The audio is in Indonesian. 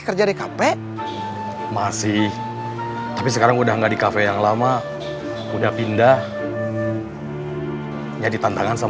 kerja di kafe masih tapi sekarang udah enggak di kafe yang lama udah pindah jadi tantangan sama